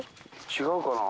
違うかな？